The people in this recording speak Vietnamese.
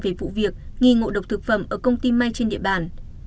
về vụ việc nghi ngộ độc thực phẩm ở công ty may trên địa bàn